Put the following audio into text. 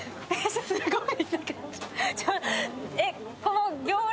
すごい。